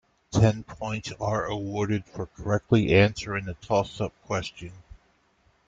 Ten points are awarded for correctly answering the tossup question.